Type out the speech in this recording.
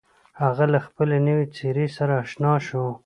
هغه له خپلې نوې څېرې سره اشنا شو.